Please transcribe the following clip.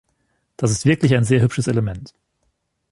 Das ist wirklich ein sehr hübsches Element.